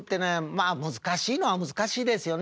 まあ難しいのは難しいですよね。